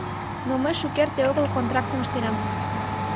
Но мый шукерте огыл контрактым ыштенам.